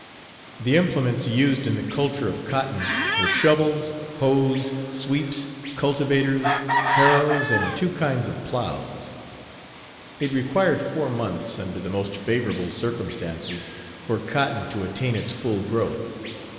The implements used in the culture of cotton were shovels, hoes, sweeps, cultivators, harrows and two kinds of plows. It required four months, under the most favorable circumstances, for cotton to attain its full growth.